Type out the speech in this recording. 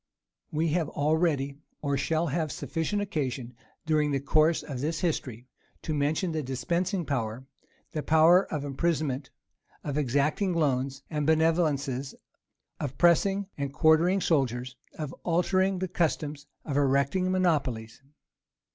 We have had already, or shall have sufficient occasion, dur * ing the course of this history, to mention the dispensing power, the power of imprisonment, of exacting loans[] and benevolences, of pressing and quartering soldiers, of altering the customs, of erecting monopolies.